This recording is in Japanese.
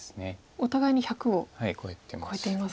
お互いに１００を。超えてます。